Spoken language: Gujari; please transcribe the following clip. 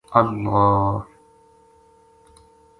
اللہ